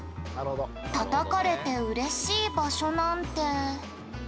「たたかれて嬉しい場所なんて」